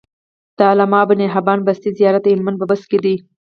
د علامه ابن حبان بستي زيارت د هلمند په بست کی